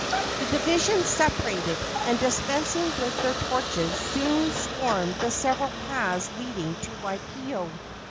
The divisions separated, and, dispensing with their torches, soon swarmed the several paths leading to Waipio.